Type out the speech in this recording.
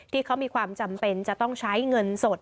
ที่เขามีความจำเป็นจะต้องใช้เงินสด